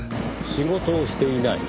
仕事をしていない？